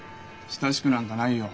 親しくなんかないよ。